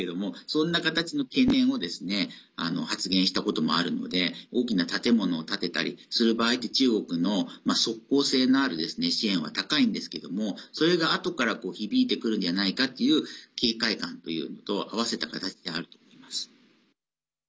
そんな形の懸念を発言したこともあるので大きな建物を建てたりする場合中国の即効性のある支援は高いんですけどもそれが、あとから響いてくるんじゃないかという警戒感というのと合わせた形にあると思います。